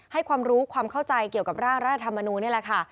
ให้ความรู้ความเข้าใจเกี่ยวกับร่างรัฐธรรมนูลนี่แหละค่ะ